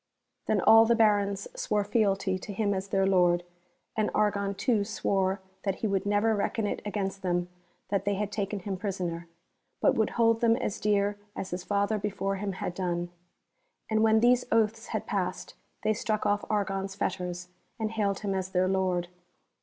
Then all the Barons swore fealty to him as their Lord, and Argon too swore that he would never reckon it against them that they had taken him prisoner, but would hold them as dear as his father before him had done. And when these oaths had passed they struck off Argon's fetters, and hailed him as their lord.